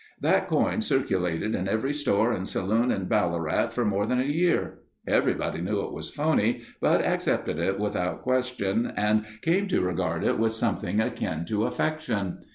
That coin circulated in every store and saloon in Ballarat for more than a year. Everybody knew it was phony, but accepted it without question and came to regard it with something akin to affection.